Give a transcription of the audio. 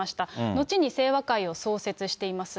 後に清和会を創設しています。